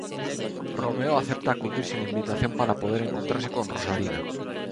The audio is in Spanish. Romeo acepta acudir sin invitación para poder encontrarse con Rosalina.